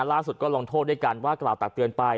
ล่าสุดก็ลงโทษด้วยการว่ากล่าวตักเตือนไป